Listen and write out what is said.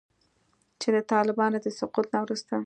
چې د طالبانو د سقوط نه وروسته